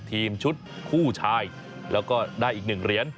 ทีมชุดคู่ชายแล้วก็ได้อีก๑เหรียญ